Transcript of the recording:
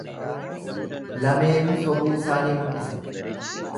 Lameenuu sobuu isaanii mul'isa.